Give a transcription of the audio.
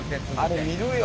あれ見るよ